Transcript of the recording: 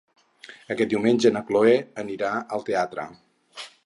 Diumenge na Chloé anirà al teatre.